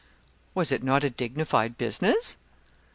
Was it not a dignified business?